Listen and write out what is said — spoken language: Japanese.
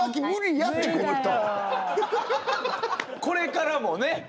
これからもね。